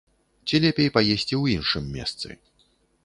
Ці лепей паесці ў іншым месцы.